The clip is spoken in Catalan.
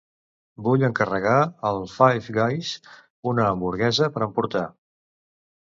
Vull encarregar al Five Guys una hamburguesa per emportar.